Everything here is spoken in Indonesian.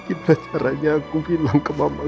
gimana caranya aku bilang ke mama